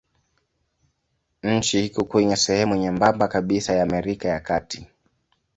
Nchi iko kwenye sehemu nyembamba kabisa ya Amerika ya Kati.